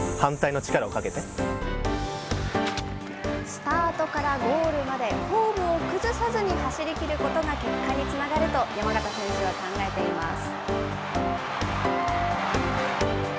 スタートからゴールまで、フォームを崩さずに走りきることが結果につながると山縣選手は考えています。